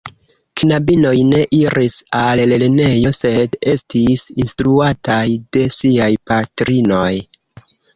Knabinoj ne iris al lernejo, sed estis instruataj de siaj patrinoj.